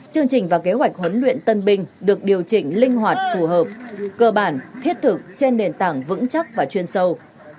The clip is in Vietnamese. chương trình và kế hoạch huấn luyện tân binh được điều chỉnh linh hoạt phù hợp cơ bản thiết thực trên nền tảng vững chắc và chuyên sâu